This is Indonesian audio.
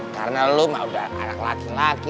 karena lo mah udah anak laki laki